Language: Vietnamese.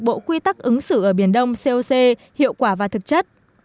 bộ quy tắc ứng xử ở biển đông coc hiệu quả và thực chất